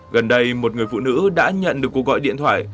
gần đây một người phụ nữ đã nhận được cuộc gọi điện thoại